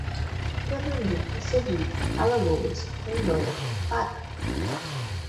Pernambuco, Sergipe, Alagoas, Rondônia, Pará